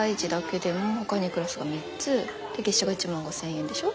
で月謝が１万５，０００円でしょ。